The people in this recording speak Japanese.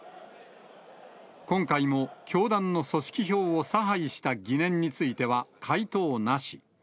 今回も教団の組織票を差配した疑念については、回答なし。